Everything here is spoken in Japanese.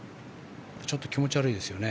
ちょっと気持ち悪いですよね。